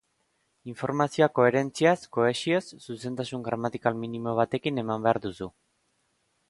Informazioa koherentziaz, kohesioz, zuzentasun gramatikal minimo batekin eman behar duzu.